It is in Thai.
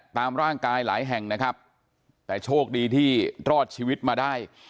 ตามร่างกายหลายแห่งนะครับแต่โชคดีที่รอดชีวิตมาได้